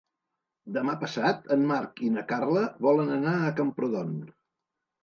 Demà passat en Marc i na Carla volen anar a Camprodon.